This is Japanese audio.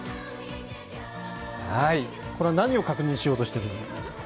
これは何を確認しようとしているんですか？